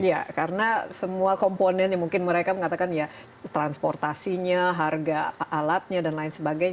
ya karena semua komponen yang mungkin mereka mengatakan ya transportasinya harga alatnya dan lain sebagainya